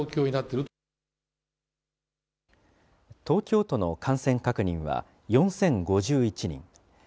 東京都の感染確認は４０５１人。